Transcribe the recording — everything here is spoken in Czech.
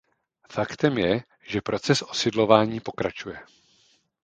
Faktem je, že proces osidlování pokračuje.